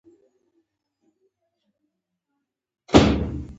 د سیندونو سم مدیریت کولی شي د وچکالۍ اغېزې راکمې کړي.